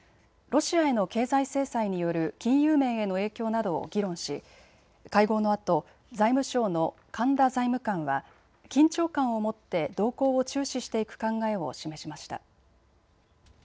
ロシアへの経済制裁による金融面への影響などを議論し会合のあと財務省の神田財務官は緊張感を持って動向を注視していく考えを示しました。